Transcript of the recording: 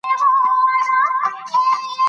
د جامو د رنګولو کوچني ځایونه په پکتیا کې شته.